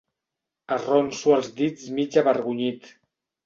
Arronso els dits mig avergonyit.